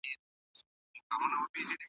هغه په بېړه له خونې ووت.